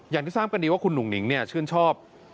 อย่างที่สามกันดีว่าคุณหนุ่งหนิงเนี่ยชื่นชอบ